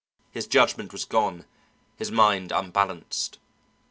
His judgment was gone, his mind unbalanced.